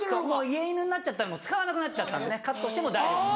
家犬になっちゃったら使わなくなっちゃったんでカットしても大丈夫。